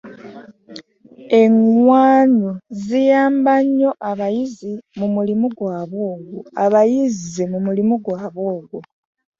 Eŋŋwanyu ziyamba nnyo abayizzi mu mulimu gwabwe ogwo.